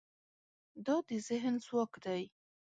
دا د ذهن ځواک دی.